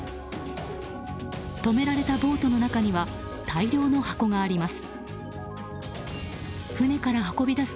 止められたボートの中には大量の箱があります。